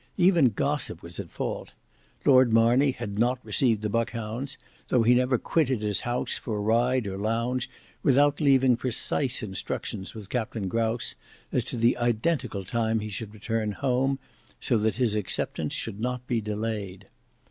Even gossip was at fault. Lord Marney had not received the Buckhounds, though he never quitted his house for ride or lounge without leaving precise instructions with Captain Grouse as to the identical time he should return home, so that his acceptance should not be delayed.